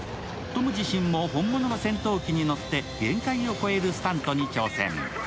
トム自身も本物の戦闘機に乗って限界を超えるスタントに挑戦。